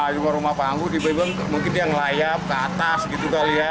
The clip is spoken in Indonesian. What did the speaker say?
rumah rumah panggung mungkin yang layap ke atas gitu kali ya